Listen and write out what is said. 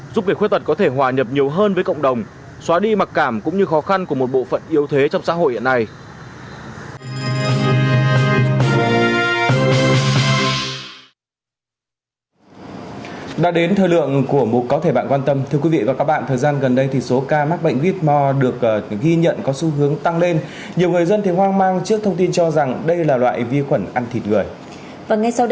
giúp người khuyết tật có thể hòa nhập nhiều hơn với cộng đồng xóa đi mặc cảm cũng như khó khăn của một bộ phận yếu thế trong xã hội hiện nay